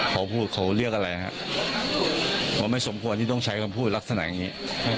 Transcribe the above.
เขาพูดเขาเรียกอะไรฮะเขาไม่สมควรที่ต้องใช้คำพูดลักษณะอย่างนี้